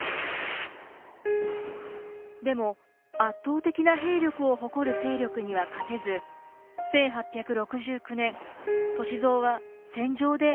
でも圧倒的な兵力を誇る勢力には勝てず１８６９年歳三は戦場で命を落としました。